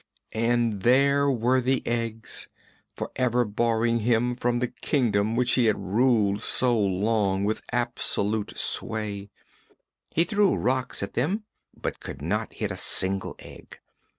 And there were the eggs, forever barring him from the Kingdom which he had ruled so long with absolute sway! He threw rocks at them, but could not hit a single egg.